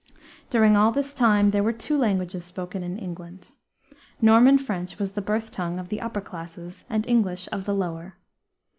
During all this time there were two languages spoken in England. Norman French was the birth tongue of the upper classes and English of the lower.